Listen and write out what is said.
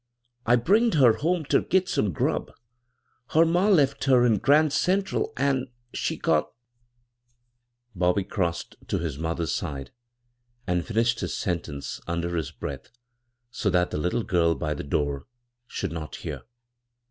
I bringed her home ter git some grub. Her ma left her in die Gran' Central, an' bvGoog[c CROSS CURRENTS she got " Bobby crossed to his mother's side and finished his sentence under his breath so that the Uttie girl by the door should not heaj.